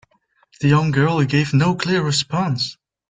The young girl gave no clear response.